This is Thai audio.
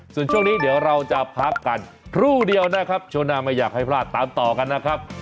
ส่วนช่วงนี้เดี๋ยวเราจะพักกันครู่เดียวนะครับช่วงหน้าไม่อยากให้พลาดตามต่อกันนะครับ